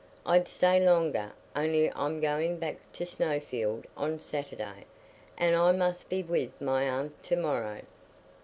"I'd stay longer, only I'm going back to Snowfield on Saturday, and I must be with my aunt to morrow."